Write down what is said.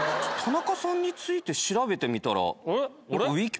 田中さんについて調べてみたら。